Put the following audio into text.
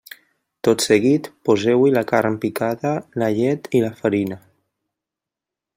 Tot seguit poseu-hi la carn picada, la llet i la farina.